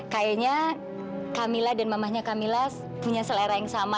kayaknya kamila dan mamahnya kamila punya selera yang sama